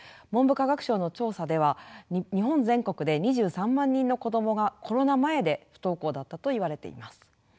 文部科学省の調査では日本全国で２３万人の子どもがコロナ前で不登校だったといわれています。